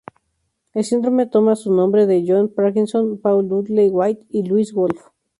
El síndrome toma su nombre de John Parkinson, Paul Dudley White y Louis Wolff.